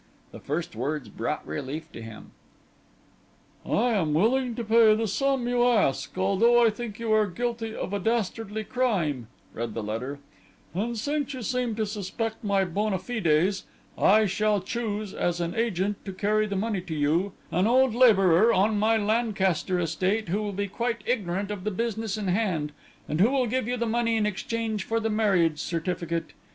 The first words brought relief to him. "I am willing to pay the sum you ask, although I think you are guilty of a dastardly crime," read the letter, "and since you seem to suspect my bonafides, I shall choose, as an agent to carry the money to you, an old labourer on my Lancashire estate who will be quite ignorant of the business in hand, and who will give you the money in exchange for the marriage certificate.